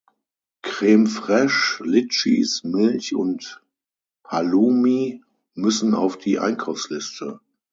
Creme Fraiche, Litschis, Milch und Halloumi müssen auf die Einkaufsliste.